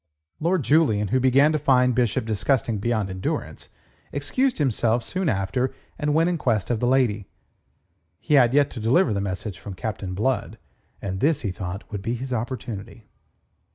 Lord Julian, who began to find Bishop disgusting beyond endurance, excused himself soon after, and went in quest of the lady. He had yet to deliver the message from Captain Blood, and this, he thought, would be his opportunity.